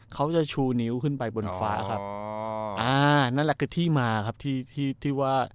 เขาจะชูนิ้วขึ้นไปบนฟ้าครับอ๋ออ่านั่นแหละคือที่มาครับที่ที่ว่า